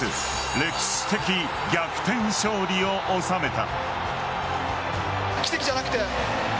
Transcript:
歴史的逆転勝利を収めた。